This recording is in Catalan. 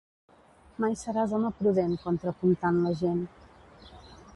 Mai seràs home prudent contrapuntant la gent.